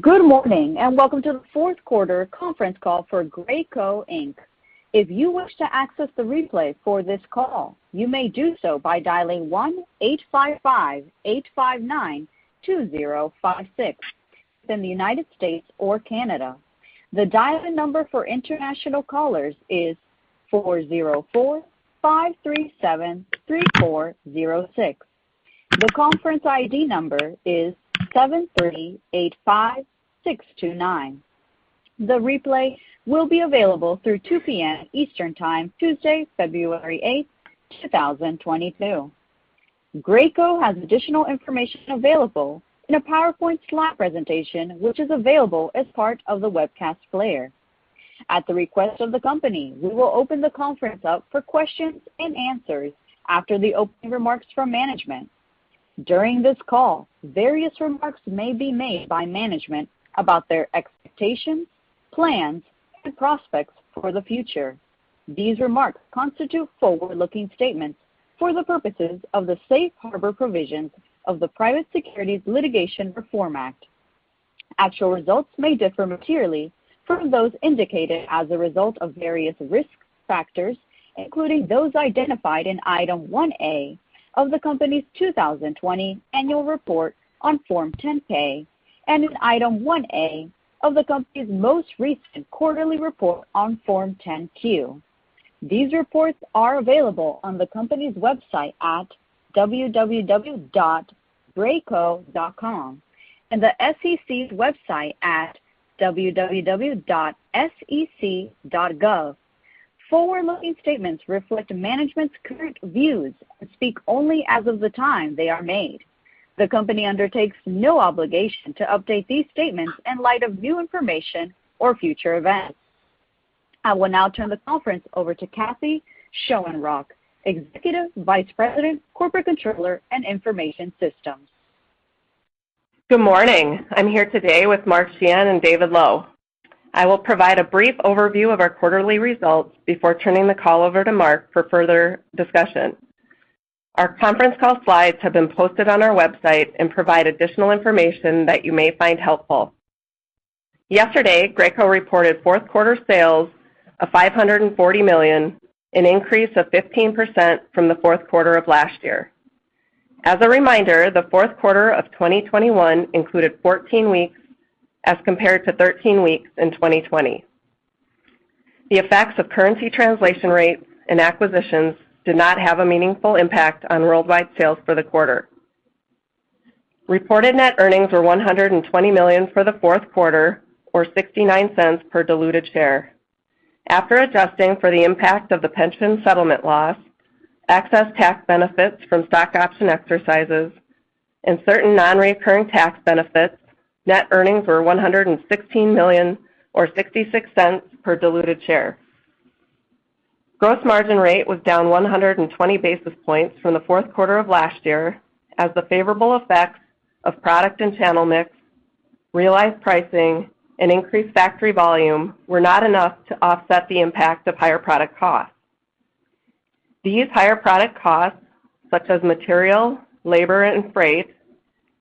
Good morning, and welcome to the fourth quarter conference call for Graco Inc. If you wish to access the replay for this call, you may do so by dialing 1-855-859-2056 in the United States or Canada. The dial-in number for international callers is 404-537-3406. The conference ID number is 738-5629. The replay will be available through 2:00 P.M. Eastern Time, Tuesday, February 8, 2022. Graco has additional information available in a PowerPoint slide presentation, which is available as part of the webcast player. At the request of the company, we will open the conference up for questions and answers after the opening remarks from management. During this call, various remarks may be made by management about their expectations, plans, and prospects for the future. These remarks constitute forward-looking statements for the purposes of the safe harbor provisions of the Private Securities Litigation Reform Act. Actual results may differ materially from those indicated as a result of various risk factors, including those identified in Item 1A of the company's 2020 annual report on Form 10-K and in Item 1A of the company's most recent quarterly report on Form 10-Q. These reports are available on the company's website at www.graco.com and the SEC's website at www.sec.gov. Forward-looking statements reflect management's current views and speak only as of the time they are made. The company undertakes no obligation to update these statements in light of new information or future events. I will now turn the conference over to Kathryn Schoenrock, Executive Vice President, Corporate Controller, and Information Systems. Good morning. I'm here today with Mark Sheahan and David Lowe. I will provide a brief overview of our quarterly results before turning the call over to Mark for further discussion. Our conference call slides have been posted on our website and provide additional information that you may find helpful. Yesterday, Graco reported fourth quarter sales of $540 million, an increase of 15% from the fourth quarter of last year. As a reminder, the fourth quarter of 2021 included 14 weeks as compared to 13 weeks in 2020. The effects of currency translation rates and acquisitions did not have a meaningful impact on worldwide sales for the quarter. Reported net earnings were $120 million for the fourth quarter or $0.69 per diluted share. After adjusting for the impact of the pension settlement loss, excess tax benefits from stock option exercises, and certain non-recurring tax benefits, net earnings were $116 million or $0.66 per diluted share. Gross margin rate was down 120 basis points from the fourth quarter of last year as the favorable effects of product and channel mix, realized pricing, and increased factory volume were not enough to offset the impact of higher product costs. These higher product costs, such as material, labor, and freight,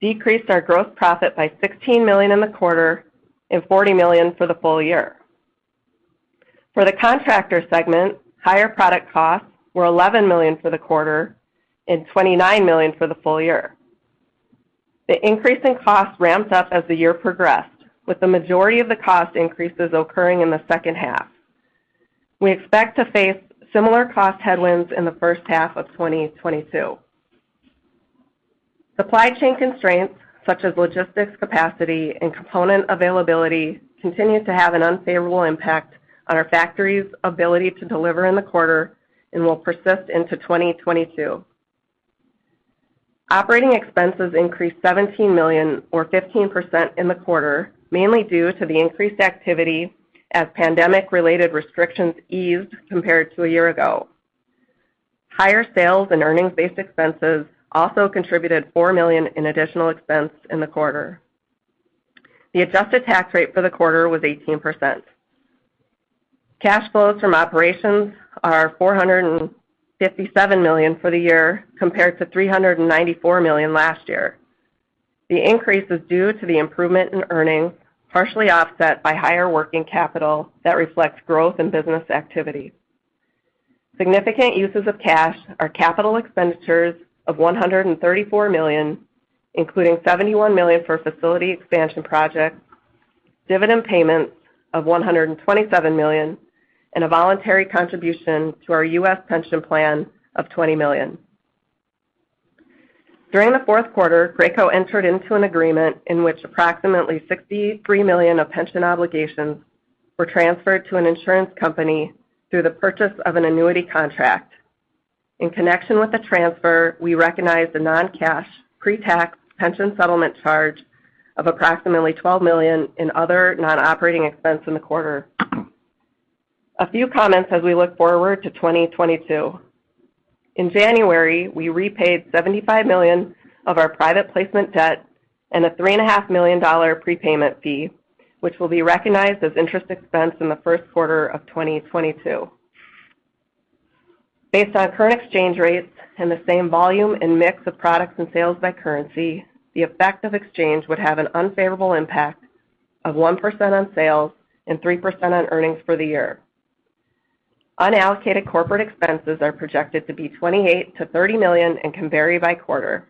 decreased our gross profit by $16 million in the quarter and $40 million for the full year. For the contractor segment, higher product costs were $11 million for the quarter and $29 million for the full year. The increase in costs ramped up as the year progressed, with the majority of the cost increases occurring in the second half. We expect to face similar cost headwinds in the first half of 2022. Supply chain constraints, such as logistics capacity and component availability, continue to have an unfavorable impact on our factories' ability to deliver in the quarter and will persist into 2022. Operating expenses increased $17 million or 15% in the quarter, mainly due to the increased activity as pandemic-related restrictions eased compared to a year ago. Higher sales and earnings-based expenses also contributed $4 million in additional expense in the quarter. The adjusted tax rate for the quarter was 18%. Cash flows from operations are $457 million for the year, compared to $394 million last year. The increase is due to the improvement in earnings, partially offset by higher working capital that reflects growth in business activity. Significant uses of cash are capital expenditures of $134 million, including $71 million for facility expansion projects, dividend payments of $127 million, and a voluntary contribution to our U.S. pension plan of $20 million. During the fourth quarter, Graco entered into an agreement in which approximately $63 million of pension obligations were transferred to an insurance company through the purchase of an annuity contract. In connection with the transfer, we recognized a non-cash pretax pension settlement charge of approximately $12 million in other non-operating expense in the quarter. A few comments as we look forward to 2022. In January, we repaid $75 million of our private placement debt and a $3.5 million prepayment fee, which will be recognized as interest expense in the first quarter of 2022. Based on current exchange rates and the same volume and mix of products and sales by currency, the effect of exchange would have an unfavorable impact of 1% on sales and 3% on earnings for the year. Unallocated corporate expenses are projected to be $28 million-$30 million and can vary by quarter.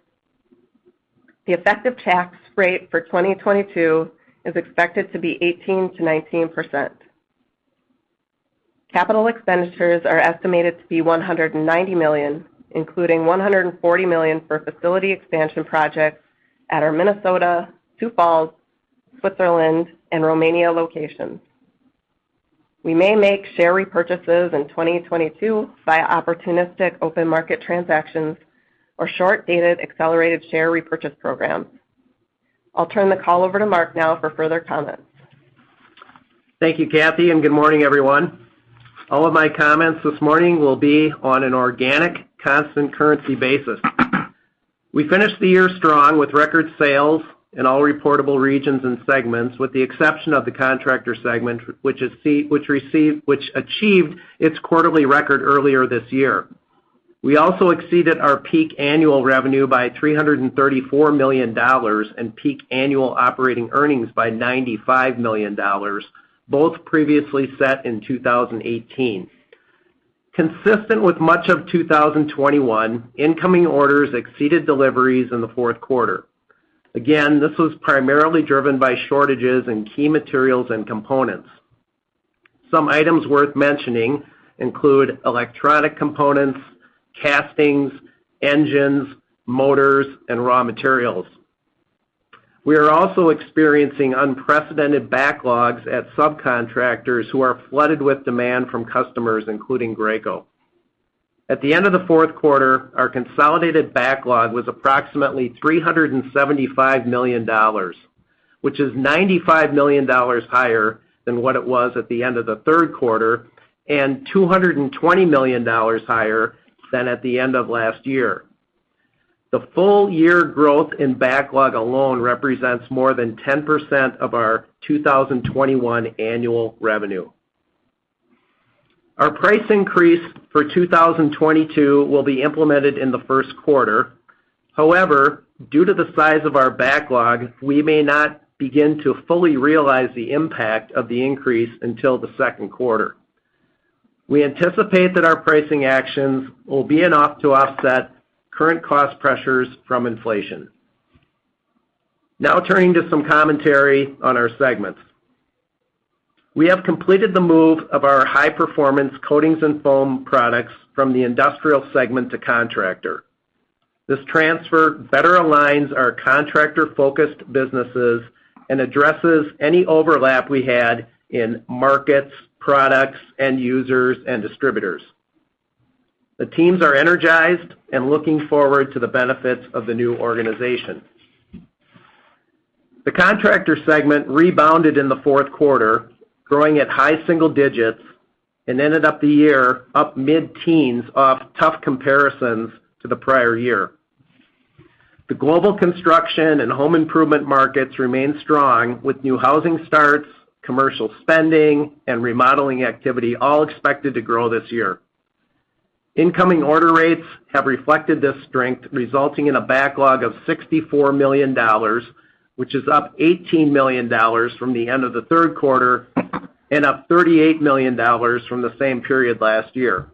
The effective tax rate for 2022 is expected to be 18%-19%. Capital expenditures are estimated to be $190 million, including $140 million for facility expansion projects at our Minnesota, Sioux Falls, Switzerland, and Romania locations. We may make share repurchases in 2022 via opportunistic open market transactions or short-dated accelerated share repurchase programs. I'll turn the call over to Mark now for further comments. Thank you, Kathy, and good morning, everyone. All of my comments this morning will be on an organic constant currency basis. We finished the year strong with record sales in all reportable regions and segments, with the exception of the contractor segment, which achieved its quarterly record earlier this year. We also exceeded our peak annual revenue by $334 million and peak annual operating earnings by $95 million, both previously set in 2018. Consistent with much of 2021, incoming orders exceeded deliveries in the fourth quarter. Again, this was primarily driven by shortages in key materials and components. Some items worth mentioning include electronic components, castings, engines, motors, and raw materials. We are also experiencing unprecedented backlogs at subcontractors who are flooded with demand from customers, including Graco. At the end of the fourth quarter, our consolidated backlog was approximately $375 million, which is $95 million higher than what it was at the end of the third quarter and $220 million higher than at the end of last year. The full-year growth in backlog alone represents more than 10% of our 2021 annual revenue. Our price increase for 2022 will be implemented in the first quarter. However, due to the size of our backlog, we may not begin to fully realize the impact of the increase until the second quarter. We anticipate that our pricing actions will be enough to offset current cost pressures from inflation. Now turning to some commentary on our segments. We have completed the move of our High-Performance Coatings and Foam products from the Industrial segment to Contractor. This transfer better aligns our contractor-focused businesses and addresses any overlap we had in markets, products, end users, and distributors. The teams are energized and looking forward to the benefits of the new organization. The contractor segment rebounded in the fourth quarter, growing at high-single digits and ended up the year up mid-teens off tough comparisons to the prior year. The global construction and home improvement markets remain strong, with new housing starts, commercial spending, and remodeling activity all expected to grow this year. Incoming order rates have reflected this strength, resulting in a backlog of $64 million, which is up $18 million from the end of the third quarter and up $38 million from the same period last year.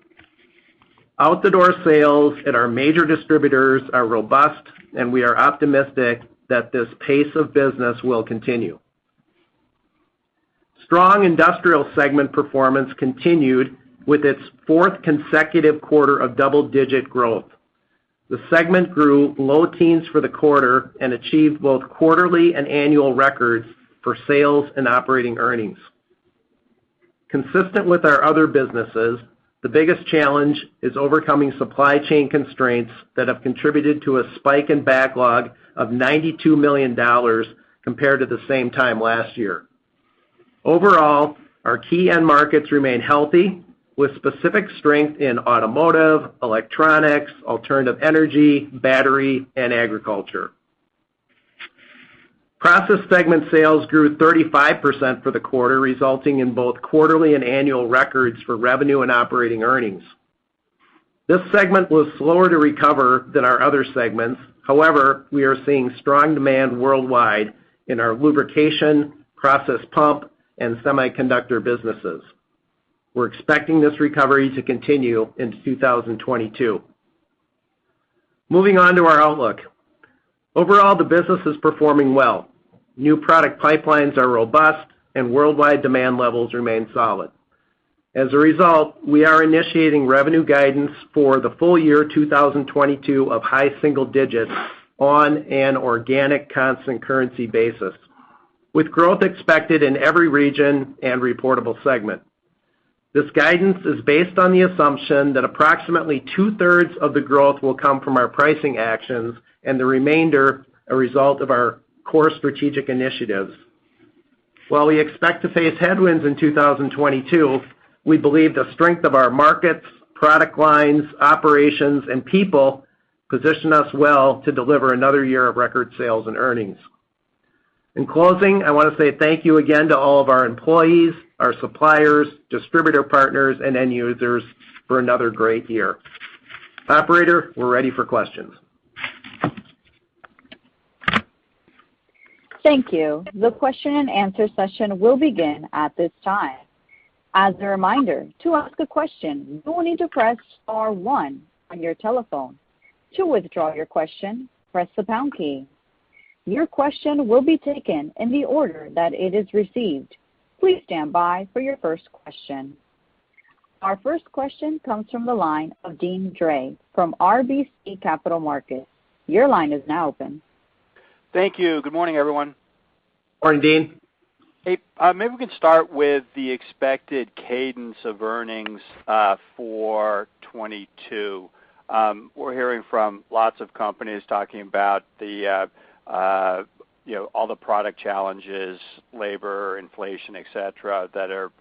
Out-the-door sales at our major distributors are robust, and we are optimistic that this pace of business will continue. Strong Industrial segment performance continued with its 4th consecutive quarter of double-digit growth. The segment grew low teens for the quarter and achieved both quarterly and annual records for sales and operating earnings. Consistent with our other businesses, the biggest challenge is overcoming supply chain constraints that have contributed to a spike in backlog of $92 million compared to the same time last year. Overall, our key end markets remain healthy, with specific strength in automotive, electronics, alternative energy, battery, and agriculture. Process segment sales grew 35% for the quarter, resulting in both quarterly and annual records for revenue and operating earnings. This segment was slower to recover than our other segments. However, we are seeing strong demand worldwide in our lubrication, process pump, and semiconductor businesses. We're expecting this recovery to continue into 2022. Moving on to our outlook. Overall, the business is performing well. New product pipelines are robust, and worldwide demand levels remain solid. As a result, we are initiating revenue guidance for the full year 2022 of high single digits on an organic constant currency basis, with growth expected in every region and reportable segment. This guidance is based on the assumption that approximately 2/3 of the growth will come from our pricing actions and the remainder a result of our core strategic initiatives. While we expect to face headwinds in 2022, we believe the strength of our markets, product lines, operations, and people position us well to deliver another year of record sales and earnings. In closing, I wanna say thank you again to all of our employees, our suppliers, distributor partners, and end users for another great year. Operator, we're ready for questions. Thank you. The question-and-answer session will begin at this time. As a reminder, to ask a question, you will need to press star one on your telephone. To withdraw your question, press the pound key. Your question will be taken in the order that it is received. Please stand by for your first question. Our first question comes from the line of Deane Dray from RBC Capital Markets. Your line is now open. Thank you. Good morning, everyone. Morning, Deane. Hey, maybe we can start with the expected cadence of earnings for 2022. We're hearing from lots of companies talking about the, you know, all the product challenges, labor, inflation, et cetera, that are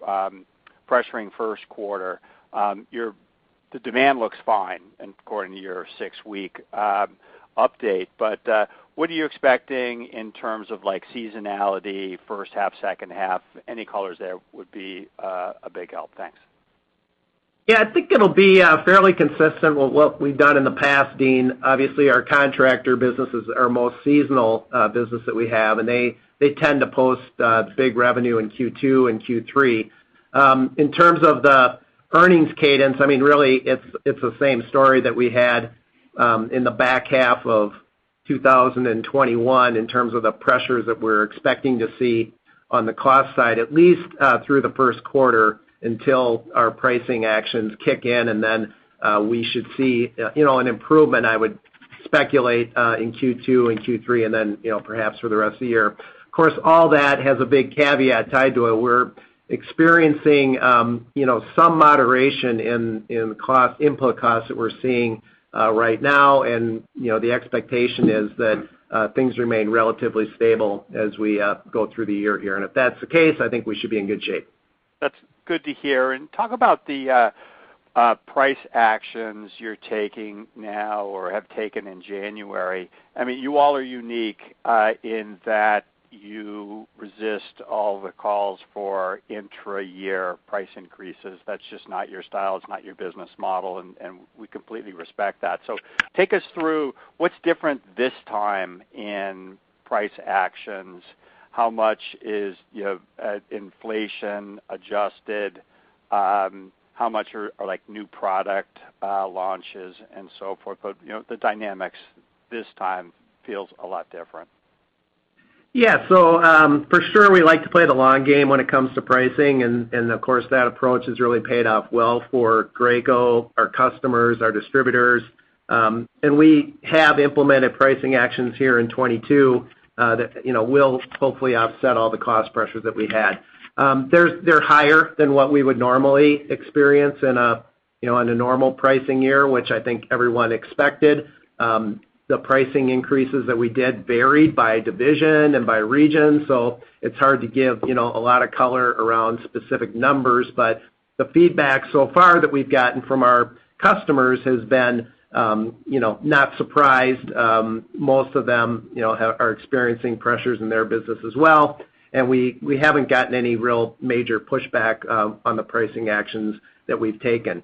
pressuring first quarter. The demand looks fine according to your six-week update. What are you expecting in terms of like seasonality, first half, second half? Any colors there would be a big help. Thanks. Yeah. I think it'll be fairly consistent with what we've done in the past, Dean. Obviously, our contractor business is our most seasonal business that we have, and they tend to post the big revenue in Q2 and Q3. In terms of the earnings cadence, I mean, really, it's the same story that we had in the back half of 2021 in terms of the pressures that we're expecting to see on the cost side, at least, through the first quarter until our pricing actions kick in, and then we should see, you know, an improvement, I would speculate, in Q2 and Q3, and then, you know, perhaps for the rest of the year. Of course, all that has a big caveat tied to it. We're experiencing some moderation in input costs that we're seeing right now. The expectation is that things remain relatively stable as we go through the year here. If that's the case, I think we should be in good shape. That's good to hear. Talk about the price actions you're taking now or have taken in January. I mean, you all are unique in that you resist all the calls for intra-year price increases. That's just not your style. It's not your business model, and we completely respect that. Take us through what's different this time in price actions, how much is, you know, inflation adjusted, how much are like new product launches and so forth? You know, the dynamics this time feels a lot different. Yeah. For sure, we like to play the long game when it comes to pricing and, of course, that approach has really paid off well for Graco, our customers, our distributors. We have implemented pricing actions here in 2022, that, you know, will hopefully offset all the cost pressures that we had. They're higher than what we would normally experience in a, you know, in a normal pricing year, which I think everyone expected. The pricing increases that we did varied by division and by region, so it's hard to give, you know, a lot of color around specific numbers. The feedback so far that we've gotten from our customers has been, you know, not surprised. Most of them, you know, are experiencing pressures in their business as well, and we haven't gotten any real major pushback on the pricing actions that we've taken.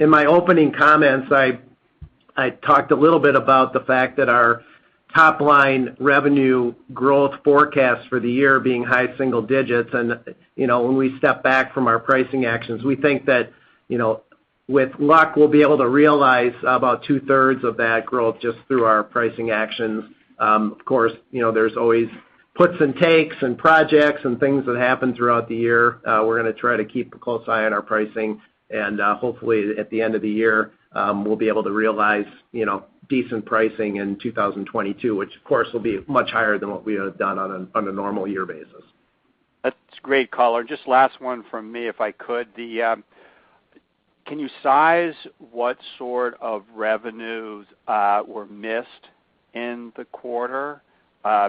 In my opening comments, I talked a little bit about the fact that our top line revenue growth forecast for the year being high-single digits. You know, when we step back from our pricing actions, we think that, you know, with luck, we'll be able to realize about 2/3 of that growth just through our pricing actions. Of course, you know, there's always puts and takes and projects and things that happen throughout the year. We're gonna try to keep a close eye on our pricing, and hopefully at the end of the year, we'll be able to realize, you know, decent pricing in 2022, which of course will be much higher than what we have done on a normal year basis. That's great color. Just last one from me, if I could. Can you size what sort of revenues were missed in the quarter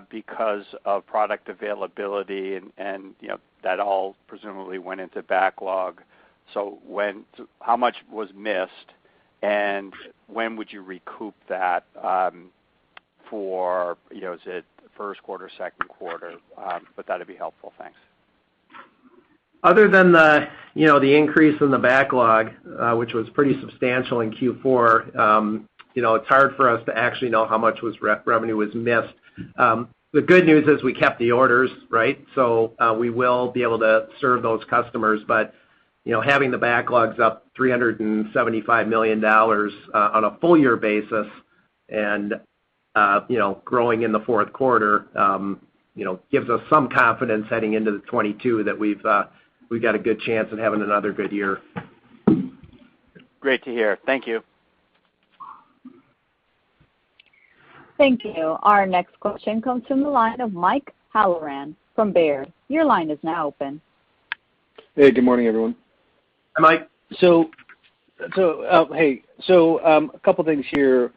because of product availability? You know, that all presumably went into backlog. How much was missed, and when would you recoup that, you know, is it first quarter, second quarter? But that'd be helpful. Thanks. Other than the, you know, the increase in the backlog, which was pretty substantial in Q4, you know, it's hard for us to actually know how much revenue was missed. The good news is we kept the orders, right? We will be able to serve those customers. But, you know, having the backlogs up $375 million on a full year basis and, you know, growing in the fourth quarter, you know, gives us some confidence heading into 2022 that we've we've got a good chance of having another good year. Great to hear. Thank you. Thank you. Our next question comes from the line of Mike Halloran from Baird. Your line is now open. Hey, good morning, everyone. Hi, Mike. A couple things here.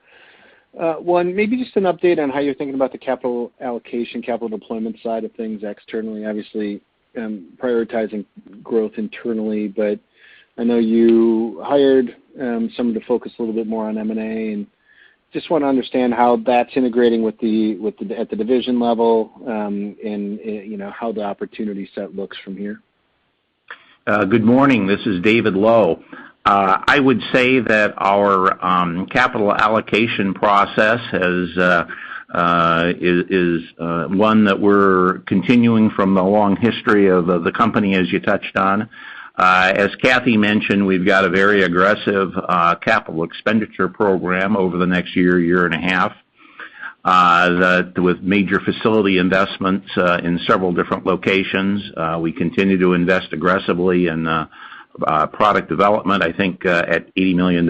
One, maybe just an update on how you're thinking about the capital allocation, capital deployment side of things externally. Obviously, prioritizing growth internally, but I know you hired someone to focus a little bit more on M&A, and just wanna understand how that's integrating with the at the division level, and you know, how the opportunity set looks from here? Good morning. This is David Lowe. I would say that our capital allocation process is one that we're continuing from the long history of the company, as you touched on. As Kathy mentioned, we've got a very aggressive capital expenditure program over the next year and a half that with major facility investments in several different locations. We continue to invest aggressively in product development. I think at $80 million,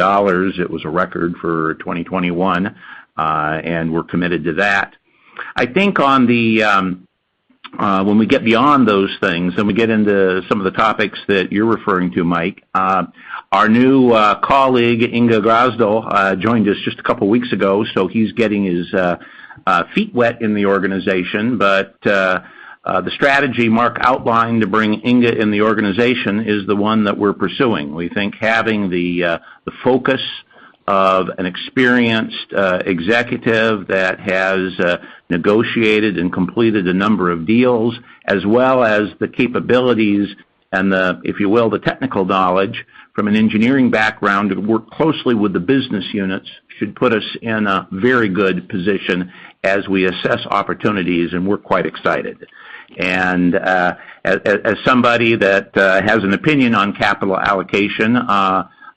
it was a record for 2021, and we're committed to that. I think on the when we get beyond those things, and we get into some of the topics that you're referring to, Mike, our new colleague, Inge Grasdal, joined us just a couple weeks ago, so he's getting his feet wet in the organization. The strategy Mark outlined to bring Inge in the organization is the one that we're pursuing. We think having the focus of an experienced executive that has negotiated and completed a number of deals, as well as the capabilities and the, if you will, the technical knowledge from an engineering background to work closely with the business units should put us in a very good position as we assess opportunities, and we're quite excited. As somebody that has an opinion on capital allocation,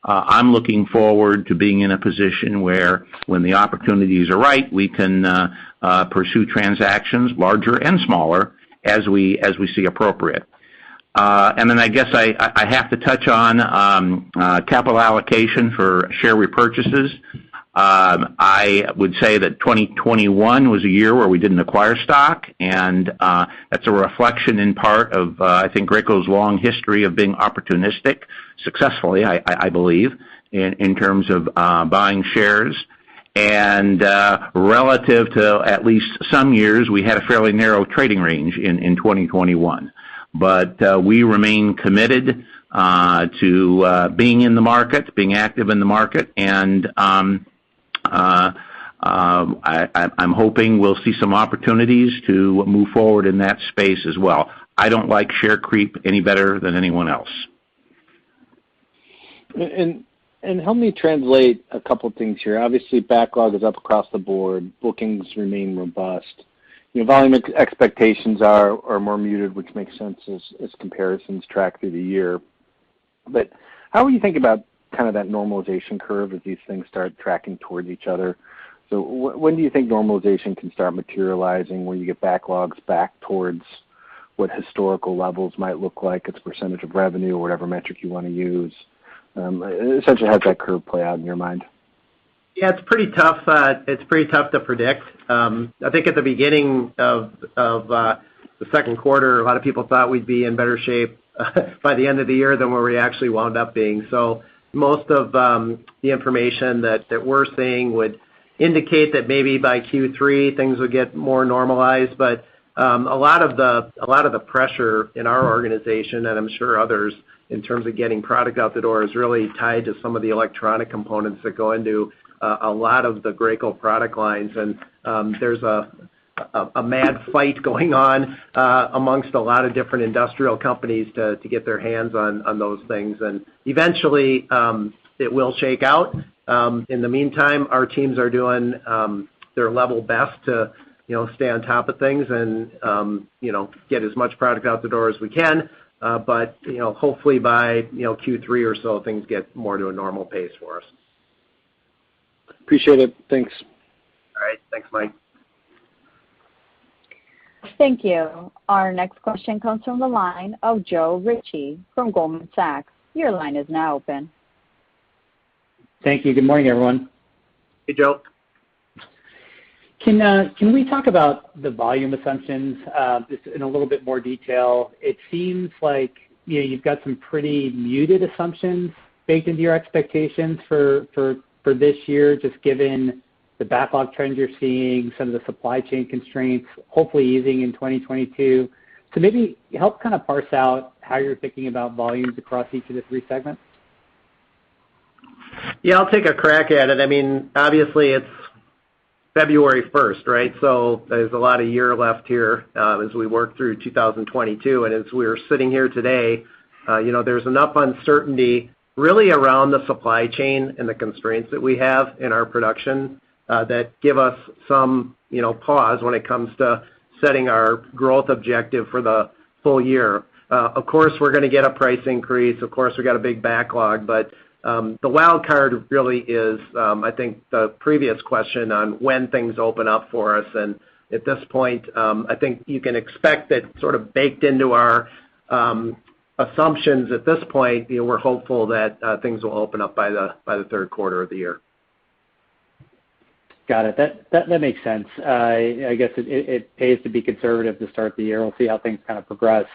I'm looking forward to being in a position where when the opportunities are right, we can pursue transactions larger and smaller as we see appropriate. I guess I have to touch on capital allocation for share repurchases. I would say that 2021 was a year where we didn't acquire stock, and that's a reflection in part of, I think Graco's long history of being opportunistic, successfully, I believe, in terms of buying shares. We remain committed to being in the market, being active in the market. I'm hoping we'll see some opportunities to move forward in that space as well. I don't like share creep any better than anyone else. Help me translate a couple things here. Obviously, backlog is up across the board. Bookings remain robust. You know, volume expectations are more muted, which makes sense as comparisons track through the year. How are you thinking about kind of that normalization curve as these things start tracking towards each other? When do you think normalization can start materializing, when you get backlogs back towards what historical levels might look like, its percentage of revenue or whatever metric you wanna use? Essentially how does that curve play out in your mind? Yeah, it's pretty tough to predict. I think at the beginning of the second quarter, a lot of people thought we'd be in better shape by the end of the year than where we actually wound up being. Most of the information that we're seeing would indicate that maybe by Q3 things would get more normalized. A lot of the pressure in our organization, and I'm sure others, in terms of getting product out the door is really tied to some of the electronic components that go into a lot of the Graco product lines. There's a mad fight going on amongst a lot of different industrial companies to get their hands on those things. Eventually, it will shake out. In the meantime, our teams are doing their level best to, you know, stay on top of things and, you know, get as much product out the door as we can. You know, hopefully by, you know, Q3 or so, things get more to a normal pace for us. Appreciate it. Thanks. All right. Thanks, Mike. Thank you. Our next question comes from the line of Joe Ritchie from Goldman Sachs. Your line is now open. Thank you. Good morning, everyone. Hey, Joe. Can we talk about the volume assumptions just in a little bit more detail? It seems like, you know, you've got some pretty muted assumptions baked into your expectations for this year, just given the backlog trends you're seeing, some of the supply chain constraints hopefully easing in 2022. Maybe help kind of parse out how you're thinking about volumes across each of the three segments? Yeah, I'll take a crack at it. I mean, obviously it's February 1st right? There's a lot of year left here as we work through 2022. As we're sitting here today, you know, there's enough uncertainty really around the supply chain and the constraints that we have in our production that give us some, you know, pause when it comes to setting our growth objective for the full year. Of course, we're gonna get a price increase. Of course, we got a big backlog. The wild card really is, I think the previous question on when things open up for us. At this point, I think you can expect that sort of baked into our assumptions at this point, you know, we're hopeful that things will open up by the third quarter of the year. Got it. That makes sense. I guess it pays to be conservative to start the year. We'll see how things kind of progress.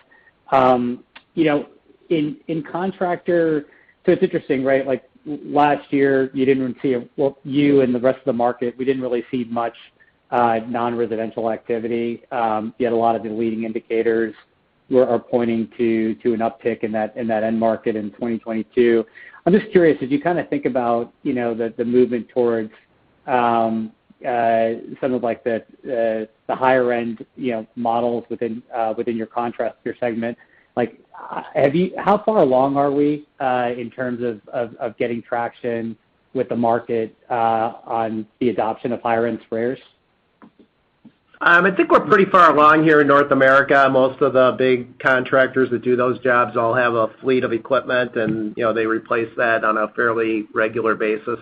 You know, in contractor. It's interesting, right? Like last year, you didn't really see. Well, you and the rest of the market, we didn't really see much non-residential activity. Yet a lot of the leading indicators are pointing to an uptick in that end market in 2022. I'm just curious, as you kind of think about, you know, the movement towards Some of, like, the higher end, you know, models within your Contractor segment. Like, how far along are we in terms of getting traction with the market on the adoption of higher end sprayers? I think we're pretty far along here in North America. Most of the big contractors that do those jobs all have a fleet of equipment and, you know, they replace that on a fairly regular basis.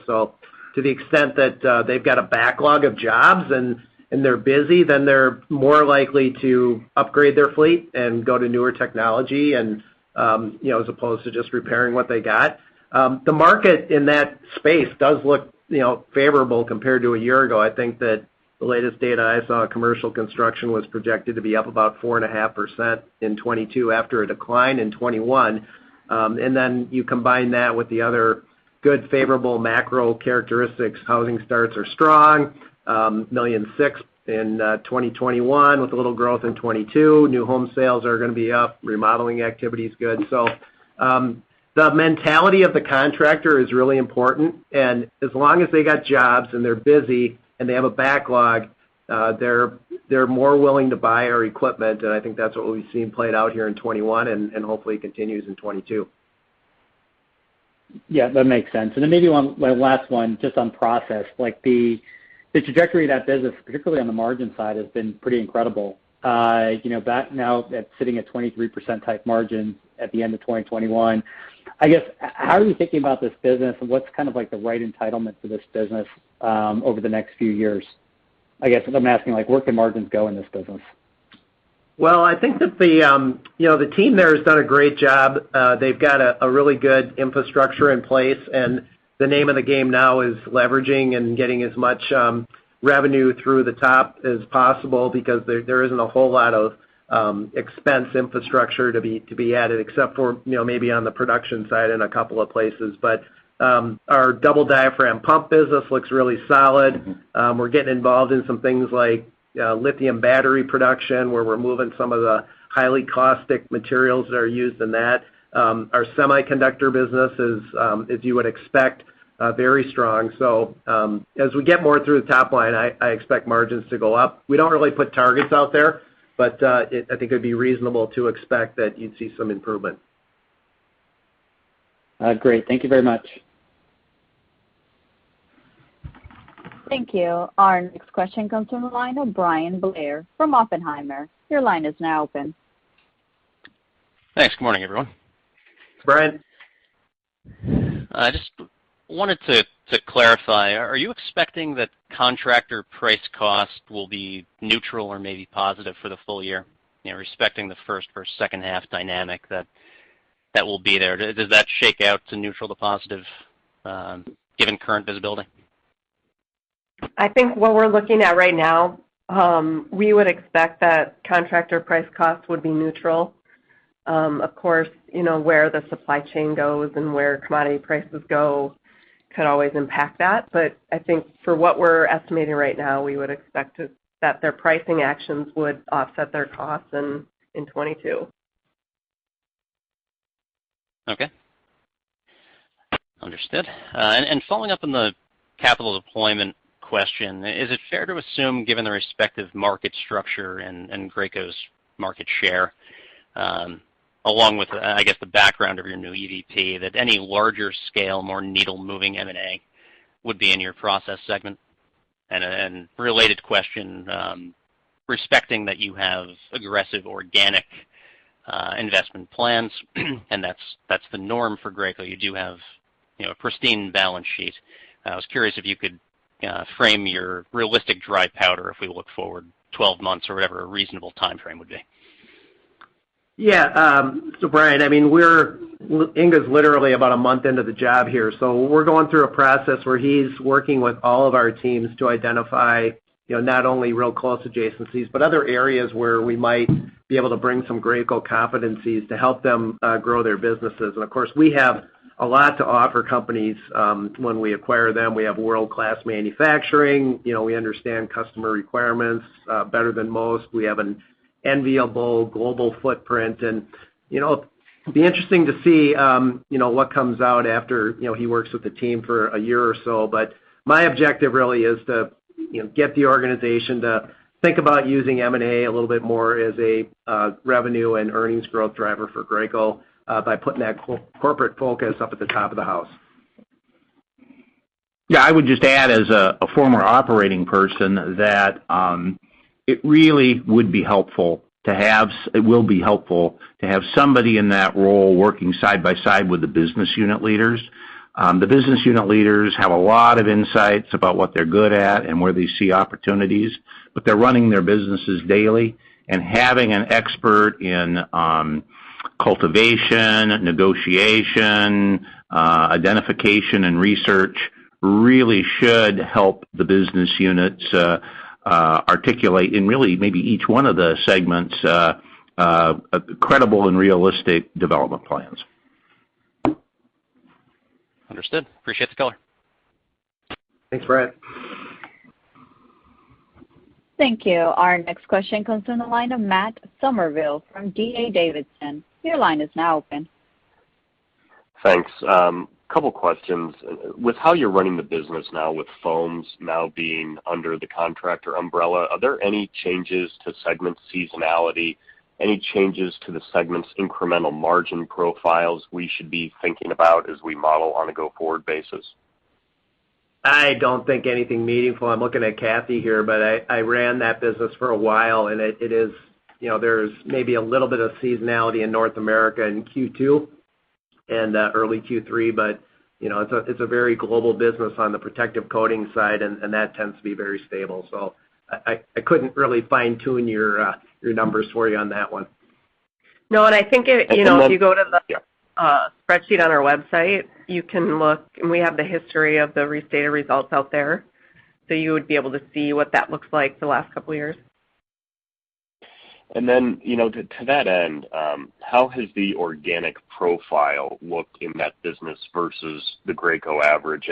To the extent that they've got a backlog of jobs and they're busy, then they're more likely to upgrade their fleet and go to newer technology and, you know, as opposed to just repairing what they got. The market in that space does look, you know, favorable compared to a year ago. I think that the latest data I saw, commercial construction was projected to be up about 4.5% in 2022 after a decline in 2021. You combine that with the other good favorable macro characteristics. Housing starts are strong, $1.6 million in 2021 with a little growth in 2022. New home sales are gonna be up, remodeling activity is good. The mentality of the contractor is really important. As long as they got jobs and they're busy and they have a backlog, they're more willing to buy our equipment. I think that's what we've seen played out here in 2021 and hopefully continues in 2022. Yeah, that makes sense. My last one just on process. Like the trajectory of that business, particularly on the margin side, has been pretty incredible. You know, back now it's sitting at 23% type margin at the end of 2021. I guess, how are you thinking about this business, and what's kind of like the right entitlement for this business, over the next few years? I guess what I'm asking, like, where can margins go in this business? Well, I think that you know, the team there has done a great job. They've got a really good infrastructure in place, and the name of the game now is leveraging and getting as much revenue through the top as possible because there isn't a whole lot of expense infrastructure to be added except for you know, maybe on the production side in a couple of places. But our double diaphragm pump business looks really solid. We're getting involved in some things like lithium battery production, where we're moving some of the highly caustic materials that are used in that. Our semiconductor business is as you would expect very strong. As we get more through the top line, I expect margins to go up. We don't really put targets out there, but I think it'd be reasonable to expect that you'd see some improvement. Great. Thank you very much. Thank you. Our next question comes from the line of Bryan Blair from Oppenheimer. Your line is now open. Thanks. Good morning, everyone. Brian. I just wanted to clarify, are you expecting that contractor price cost will be neutral or maybe positive for the full year? You know, respecting the first versus second half dynamic that will be there. Does that shake out to neutral to positive, given current visibility? I think what we're looking at right now, we would expect that contractor price cost would be neutral. Of course, you know, where the supply chain goes and where commodity prices go could always impact that. I think for what we're estimating right now, we would expect that their pricing actions would offset their costs in 2022. Okay. Understood. Following up on the capital deployment question, is it fair to assume, given the respective market structure and Graco's market share, along with, I guess, the background of your new EVP, that any larger scale, more needle-moving M&A would be in your process segment? A related question, respecting that you have aggressive organic investment plans, and that's the norm for Graco. You do have, you know, a pristine balance sheet. I was curious if you could frame your realistic dry powder if we look forward twelve months or whatever a reasonable timeframe would be. Yeah. Bryan, I mean, we're Inge's literally about a month into the job here. We're going through a process where he's working with all of our teams to identify, you know, not only real close adjacencies, but other areas where we might be able to bring some Graco competencies to help them grow their businesses. Of course, we have a lot to offer companies when we acquire them. We have world-class manufacturing. You know, we understand customer requirements better than most. We have an enviable global footprint. You know, it'd be interesting to see you know what comes out after he works with the team for a year or so. My objective really is to, you know, get the organization to think about using M&A a little bit more as a revenue and earnings growth driver for Graco by putting that corporate focus up at the top of the house. Yeah. I would just add as a former operating person that it will be helpful to have somebody in that role working side by side with the business unit leaders. The business unit leaders have a lot of insights about what they're good at and where they see opportunities, but they're running their businesses daily. Having an expert in cultivation, negotiation, identification, and research really should help the business units articulate in really maybe each one of the segments credible and realistic development plans. Understood. Appreciate the color. Thanks, Bryan. Thank you. Our next question comes from the line of Matt Summerville from D.A. Davidson. Your line is now open. Thanks. Couple questions. With how you're running the business now with Foams now being under the Contractor umbrella, are there any changes to segment seasonality? Any changes to the segment's incremental margin profiles we should be thinking about as we model on a go-forward basis? I don't think anything meaningful. I'm looking at Kathy here, but I ran that business for a while, and it is, you know, there's maybe a little bit of seasonality in North America in Q2 and early Q3, but you know, it's a very global business on the protective coating side, and that tends to be very stable. I couldn't really fine-tune your numbers for you on that one. No. I think it, you know, if you go to the spreadsheet on our website, you can look, and we have the history of the restated results out there. You would be able to see what that looks like the last couple of years. You know, to that end, how has the organic profile looked in that business versus the Graco average?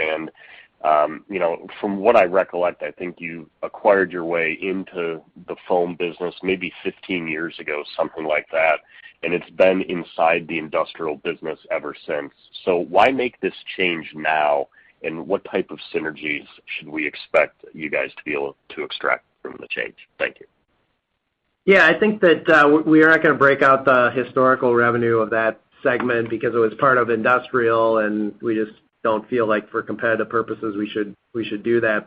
you know, from what I recollect, I think you acquired your way into the Foam business maybe 15 years ago, something like that, and it's been inside the Industrial business ever since. Why make this change now? What type of synergies should we expect you guys to be able to extract from the change? Thank you. Yeah. I think that we are not gonna break out the historical revenue of that segment because it was part of Industrial, and we just don't feel like for competitive purposes we should do that.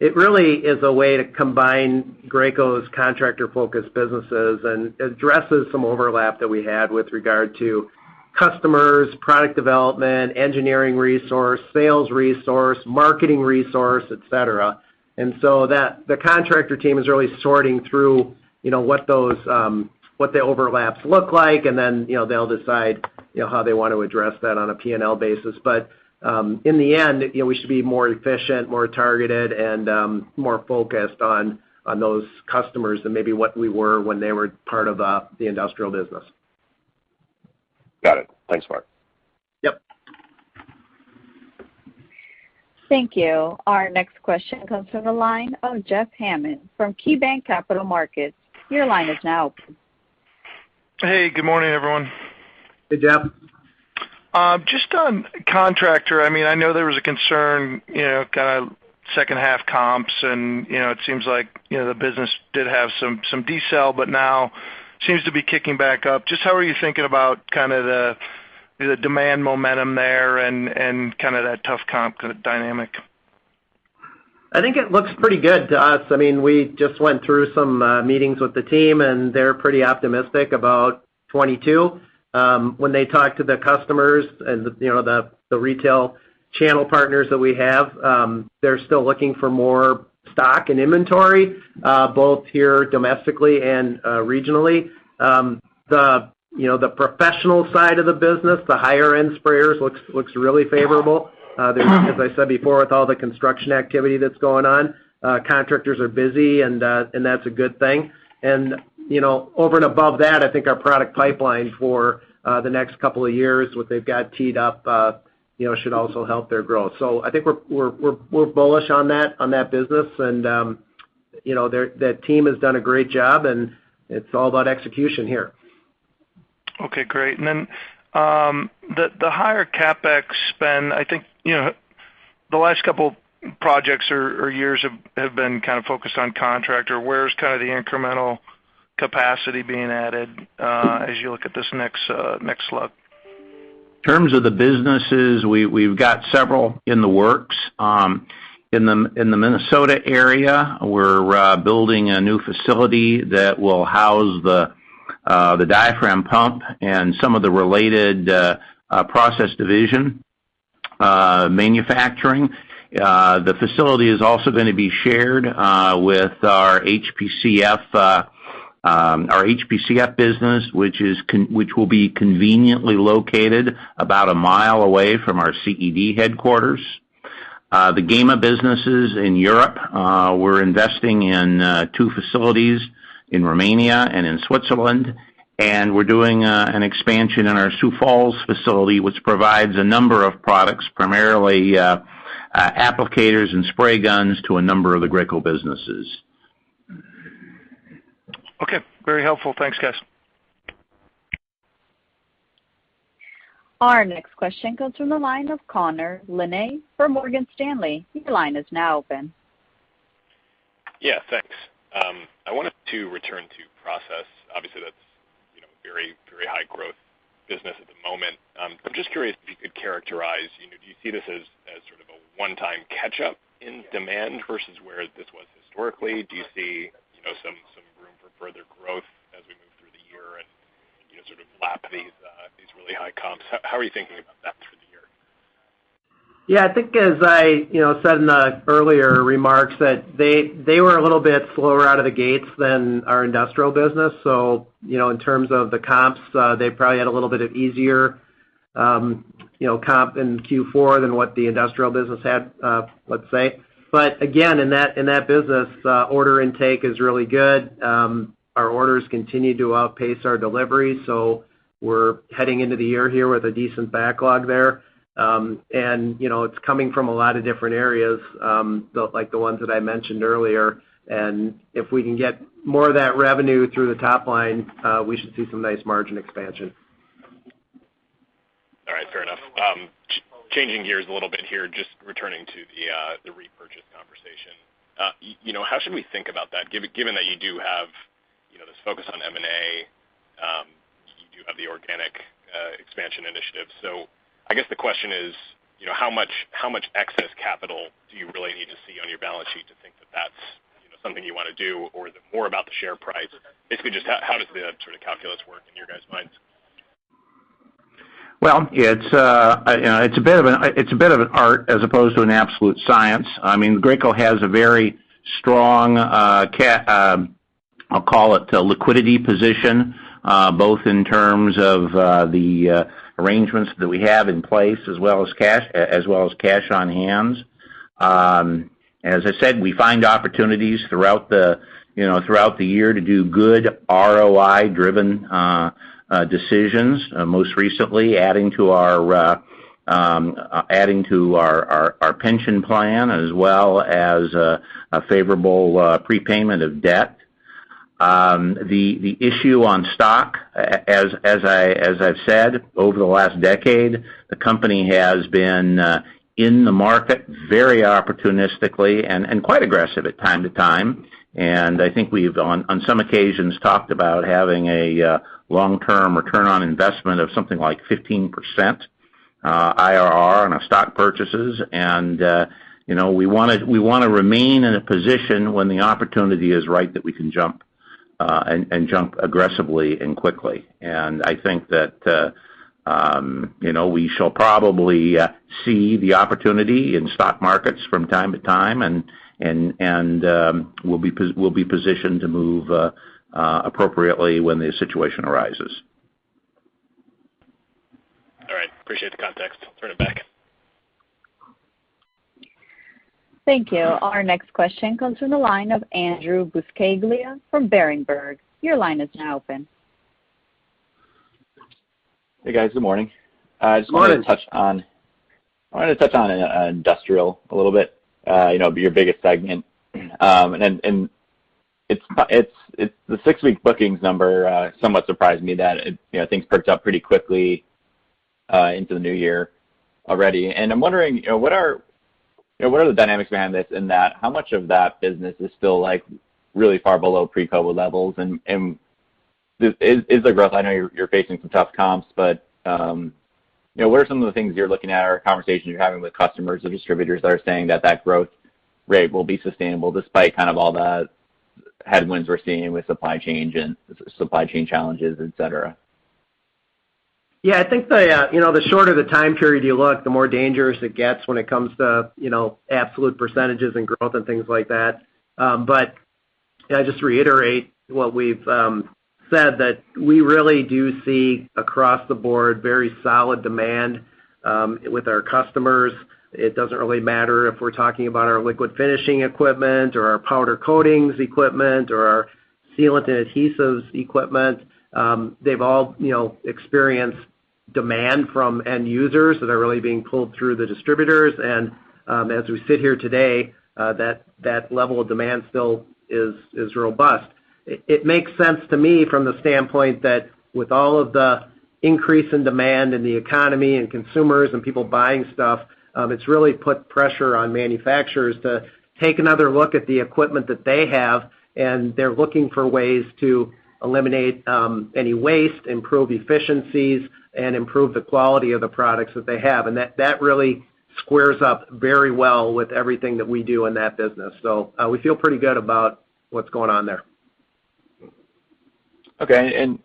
It really is a way to combine Graco's contractor-focused businesses and addresses some overlap that we had with regard to customers, product development, engineering resource, sales resource, marketing resource, et cetera. The Contractor team is really sorting through, you know, what the overlaps look like, and then, you know, they'll decide, you know, how they want to address that on a P&L basis. In the end, you know, we should be more efficient, more targeted, and more focused on those customers than maybe what we were when they were part of the Industrial business. Got it. Thanks, Mark. Yep. Thank you. Our next question comes from the line of Jeff Hammond from KeyBanc Capital Markets. Your line is now open. Hey, good morning, everyone. Hey, Jeff. Just on Contractor, I mean, I know there was a concern, you know, kind of second half comps and, you know, it seems like, you know, the business did have some decel, but now seems to be kicking back up. Just how are you thinking about kind of the demand momentum there and kind of that tough comp kind of dynamic? I think it looks pretty good to us. I mean, we just went through some meetings with the team, and they're pretty optimistic about 2022. When they talk to the customers and you know, the retail channel partners that we have, they're still looking for more stock and inventory, both here domestically and regionally. You know, the professional side of the business, the higher-end sprayers looks really favorable. As I said before, with all the construction activity that's going on, contractors are busy and that's a good thing. You know, over and above that, I think our product pipeline for the next couple of years, what they've got teed up, you know, should also help their growth. I think we're bullish on that business. You know, that team has done a great job, and it's all about execution here. Okay, great. The higher CapEx spend, I think, you know, the last couple projects or years have been kind of focused on Contractor. Where's kind of the incremental capacity being added, as you look at this next look? In terms of the businesses, we've got several in the works. In the Minnesota area, we're building a new facility that will house the diaphragm pump and some of the related process division manufacturing. The facility is also gonna be shared with our HPCF business, which will be conveniently located about a mile away from our CED headquarters. The GEMA businesses in Europe, we're investing in two facilities in Romania and in Switzerland. We're doing an expansion in our Sioux Falls facility, which provides a number of products, primarily applicators and spray guns to a number of the Graco businesses. Okay. Very helpful. Thanks, guys. Our next question comes from the line of Connor Lynagh from Morgan Stanley. Your line is now open. Yeah, thanks. I wanted to return to Process. Obviously, that's, you know, very, very high growth business at the moment. I'm just curious if you could characterize, you know, do you see this as sort of a one-time catch-up in demand versus where this was historically? Do you see, you know, some room for further growth as we move through the year and, you know, sort of lap these really high comps? How are you thinking about that through the year? Yeah. I think as I, you know, said in the earlier remarks that they were a little bit slower out of the gates than our Industrial business. You know, in terms of the comps, they probably had a little bit of easier comp in Q4 than what the Industrial business had, let's say. Again, in that business, order intake is really good. Our orders continue to outpace our delivery. We're heading into the year here with a decent backlog there. You know, it's coming from a lot of different areas, but like the ones that I mentioned earlier. If we can get more of that revenue through the top line, we should see some nice margin expansion. All right. Fair enough. Changing gears a little bit here, just returning to the repurchase conversation. You know, how should we think about that? Given that you do have, you know, this focus on M&A, you do have the organic expansion initiative. I guess the question is, you know, how much excess capital do you really need to see on your balance sheet to think that that's, you know, something you wanna do or is it more about the share price? Basically, just how does the sort of calculus work in your guys' minds? Well, it's a bit of an art as opposed to an absolute science. I mean, Graco has a very strong liquidity position both in terms of the arrangements that we have in place as well as cash on hand. As I said, we find opportunities throughout the year, you know, to do good ROI-driven decisions, most recently adding to our pension plan as well as a favorable prepayment of debt. The issue on stock, as I've said, over the last decade, the company has been in the market very opportunistically and quite aggressive at times. I think we've on some occasions talked about having a long-term return on investment of something like 15% IRR on our stock purchases. You know, we wanna remain in a position when the opportunity is right that we can jump aggressively and quickly. I think that you know, we shall probably see the opportunity in stock markets from time to time and we'll be positioned to move appropriately when the situation arises. All right. Appreciate the context. Turn it back. Thank you. Our next question comes from the line of Andrew Buscaglia from Berenberg. Your line is now open. Hey, guys. Good morning. Good morning. I just wanted to touch on Industrial a little bit, you know, your biggest segment. It's the six-week bookings number somewhat surprised me that things perked up pretty quickly into the new year already. I'm wondering, you know, what are the dynamics behind this and how much of that business is still like really far below pre-COVID levels? Is the growth I know you're facing some tough comps, but, you know, what are some of the things you're looking at or conversations you're having with customers or distributors that are saying that that growth rate will be sustainable despite kind of all the headwinds we're seeing with supply chain challenges, et cetera? Yeah. I think the you know the shorter the time period you look, the more dangerous it gets when it comes to you know absolute percentages and growth and things like that. I just reiterate what we've said that we really do see across the board very solid demand with our customers. It doesn't really matter if we're talking about our liquid finishing equipment or our powder coatings equipment or our sealant and adhesives equipment. They've all you know experienced demand from end users that are really being pulled through the distributors. As we sit here today, that level of demand still is robust. It makes sense to me from the standpoint that with all of the increase in demand in the economy and consumers and people buying stuff, it's really put pressure on manufacturers to take another look at the equipment that they have, and they're looking for ways to eliminate any waste, improve efficiencies, and improve the quality of the products that they have. That really squares up very well with everything that we do in that business. We feel pretty good about what's going on there. Okay. You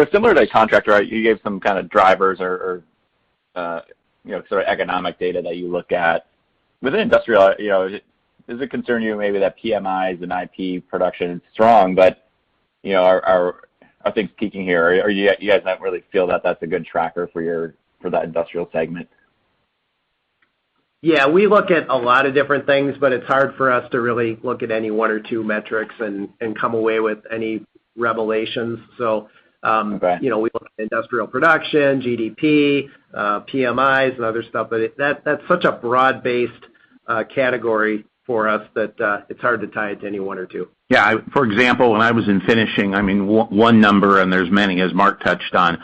know, similar to contractor, you gave some kind of drivers or you know sort of economic data that you look at. Within industrial, you know, does it concern you maybe that PMIs and IP production is strong, but you know are things peaking here? Do you guys not really feel that that's a good tracker for that industrial segment? Yeah. We look at a lot of different things, but it's hard for us to really look at any one or two metrics and come away with any revelations. Okay. You know, we look at industrial production, GDP, PMIs and other stuff. That's such a broad-based category for us that it's hard to tie it to any one or two. For example, when I was in finishing, I mean, one number, and there's many as Mark touched on,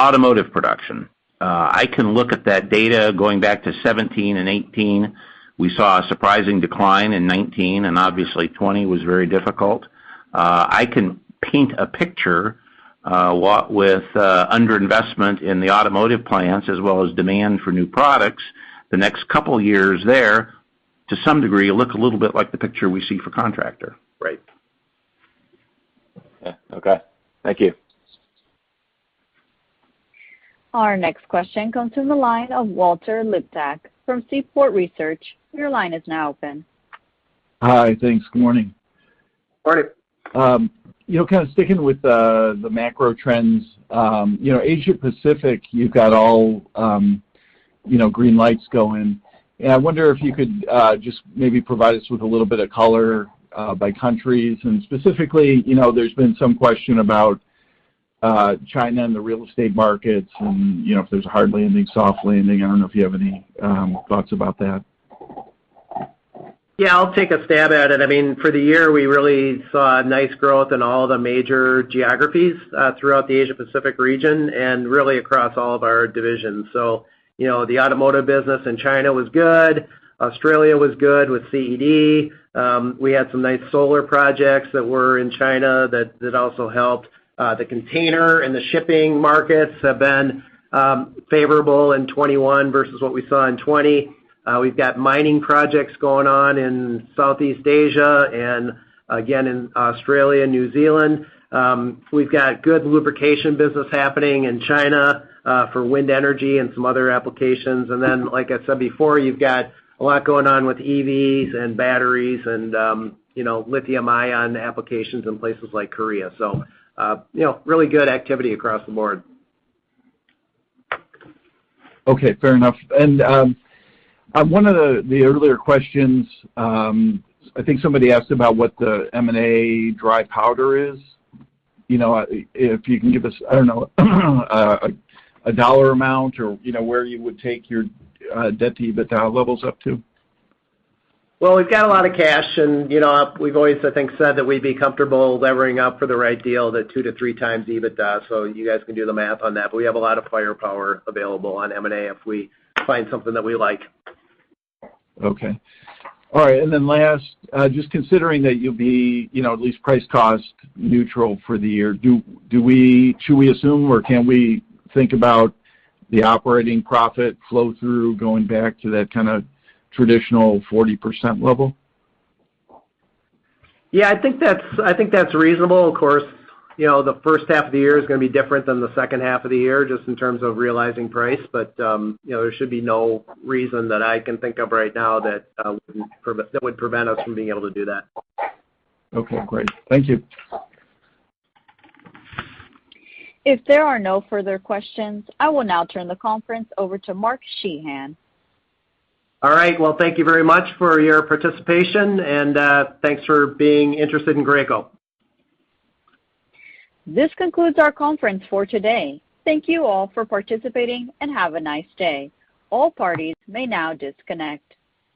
automotive production. I can look at that data going back to 2017 and 2018. We saw a surprising decline in 2019, and obviously 2020 was very difficult. I can paint a picture with underinvestment in the automotive plants as well as demand for new products. The next couple years there, to some degree, look a little bit like the picture we see for contractor. Right. Okay. Thank you. Our next question comes from the line of Walter Liptak from Seaport Research. Your line is now open. Hi. Thanks. Good morning. Morning. Sticking with the macro trends, you know, Asia Pacific, you've got all, you know, green lights going. I wonder if you could just maybe provide us with a little bit of color by countries. Specifically, you know, there's been some question about China and the real estate markets and, you know, if there's a hard landing, soft landing. I don't know if you have any thoughts about that? Yeah, I'll take a stab at it. I mean, for the year, we really saw nice growth in all the major geographies throughout the Asia Pacific region and really across all of our divisions. You know, the automotive business in China was good. Australia was good with CED. We had some nice solar projects that were in China that also helped. The container and the shipping markets have been favorable in 2021 versus what we saw in 2020. We've got mining projects going on in Southeast Asia and again in Australia and New Zealand. We've got good lubrication business happening in China for wind energy and some other applications. Like I said before, you've got a lot going on with EVs and batteries and you know, lithium-ion applications in places like Korea. You know, really good activity across the board. Okay, fair enough. On one of the earlier questions, I think somebody asked about what the M&A dry powder is. You know, if you can give us, I don't know, a dollar amount or, you know, where you would take your debt-to-EBITDA levels up to? Well, we've got a lot of cash. You know, we've always, I think, said that we'd be comfortable levering up for the right deal to 2x-3x EBITDA, so you guys can do the math on that. We have a lot of firepower available on M&A if we find something that we like. Okay. All right. Last, just considering that you'll be, you know, at least price-cost neutral for the year, should we assume or can we think about the operating profit flow through going back to that kind of traditional 40% level? Yeah, I think that's reasonable. Of course, you know, the first half of the year is gonna be different than the second half of the year just in terms of realizing price. You know, there should be no reason that I can think of right now that would prevent us from being able to do that. Okay, great. Thank you. If there are no further questions, I will now turn the conference over to Mark Sheahan. All right. Well, thank you very much for your participation and, thanks for being interested in Graco. This concludes our conference for today. Thank you all for participating and have a nice day. All parties may now disconnect.